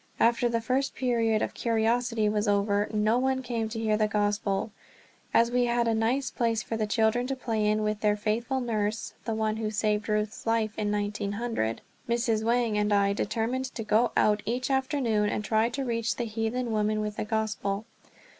After the first period of curiosity was over, no one came to hear the Gospel. As we had a nice place for the children to play in with their faithful nurse, the one who saved Ruth's life in 1900, Mrs. Wang and I determined to go out each afternoon and try to reach the heathen women with the Gospel.